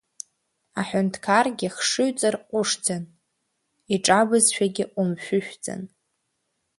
Аҳәынҭқаргьы хшыҩ-ҵар ҟәышӡан, иҿабызшәагьы ҟәымшәышәӡан.